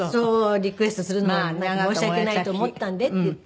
「リクエストするのも申し訳ないと思ったんで」って言って。